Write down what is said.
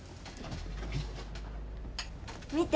見て。